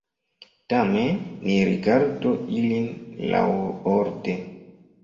Tamen ni rigardu ilin laŭorde.